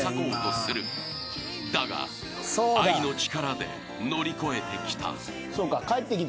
［だが愛の力で乗り越えてきた］